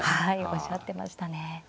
おっしゃってましたね。